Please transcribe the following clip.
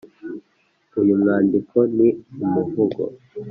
uyu mwandiko ni umuvugo.